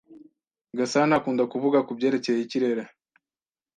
Gasana akunda kuvuga kubyerekeye ikirere.